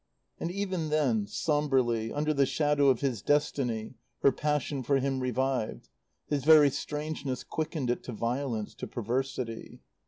And even then, sombrely, under the shadow of his destiny, her passion for him revived; his very strangeness quickened it to violence, to perversity.